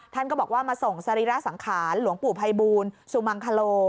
ท่านก็บอกว่ามาส่งสรีระสังขารหลวงปู่ภัยบูลสุมังคโล